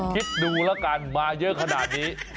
คิดดูแล้วกันมาเยอะขนาดนี้